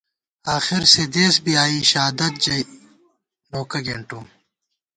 آخیر سےدېس بی آئی، شادَت ژَئی نوکہ گېنٹُم